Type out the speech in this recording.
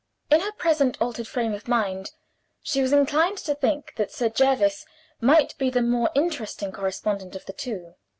In her present altered frame of mind, she was inclined to think that Sir Jervis might be the more interesting correspondent of the two.